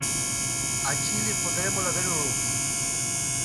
A Chile poderémola ver o luns.